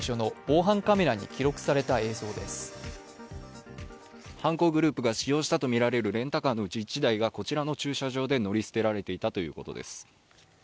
犯行グループが使用したとみられるレンタカーのうち１台がこちらの駐車場で乗り捨てられていたということです。